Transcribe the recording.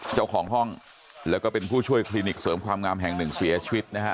เจ้าของห้องแล้วก็เป็นผู้ช่วยคลินิกเสริมความงามแห่งหนึ่งเสียชีวิตนะฮะ